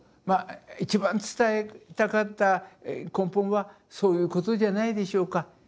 ま一番伝えたかった根本はそういうことじゃないでしょうか。